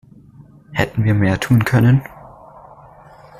Hätten wir mehr tun können?